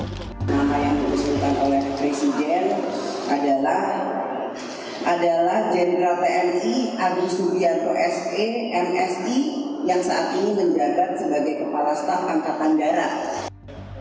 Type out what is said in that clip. nama yang disertakan oleh presiden adalah jenderal tni agus subianto resmi msd yang saat ini menjaga sebagai kepala staff angkatan darat